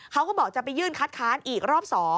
เขาก็บอกจะไปยื่นคัดค้านอีกรอบ๒